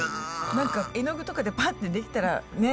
何か絵の具とかでパッてできたらねえ。